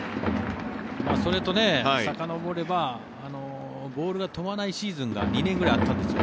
それと、さかのぼればボールが飛ばないシーズンが２年ぐらいあったんですよ。